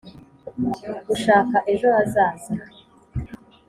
gushaka ejo hazaza